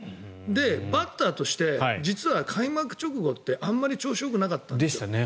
で、バッターとして実は開幕直後ってあまり調子がよくなかったんです。